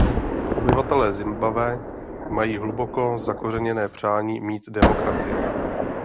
Obyvatelé Zimbabwe mají hluboko zakořeněné přání mít demokracii.